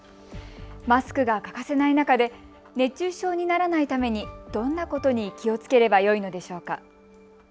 マスクが欠かせない中で熱中症にならないためにどんなことに気をつければよいのでしょうか。